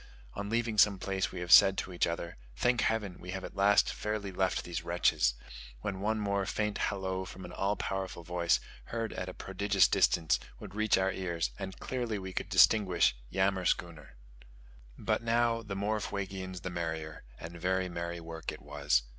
On leaving some place we have said to each other, "Thank heaven, we have at last fairly left these wretches!" when one more faint hallo from an all powerful voice, heard at a prodigious distance, would reach our ears, and clearly could we distinguish "yammerschooner." But now, the more Fuegians the merrier; and very merry work it was.